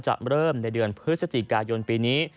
จะเริ่มในเดือนพฤศจิกายนปีนี้